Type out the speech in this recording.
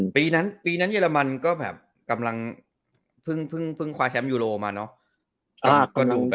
ปีนั้นเยอรมันก็แบบกำลังเพิ่งคว้าแชมป์ยูโรมาเนอะ